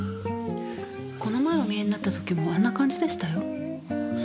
この前お見えになった時もあんな感じでしたよ。